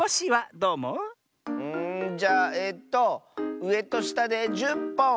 んじゃあえとうえとしたで１０ぽん！